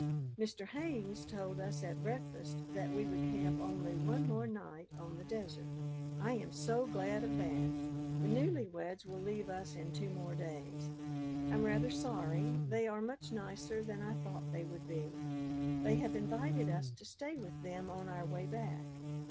Mr. Haynes told us at breakfast that we would camp only one more night on the desert. I am so glad of that. The newly weds will leave us in two more days. I'm rather sorry; they are much nicer than I thought they would be. They have invited us to stay with them on our way back.